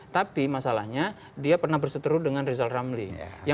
terima kasih trunya